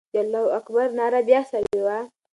د الله اکبر ناره به بیا سوې وه.